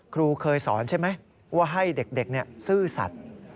ครูเคยสอนใช่ไหมว่าให้เด็กซื่อสัตว์